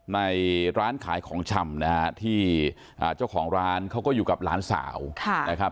ในร้านขายของชำนะฮะที่เจ้าของร้านเขาก็อยู่กับหลานสาวนะครับ